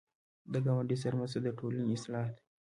د ګاونډي سره مرسته د ټولنې اصلاح ده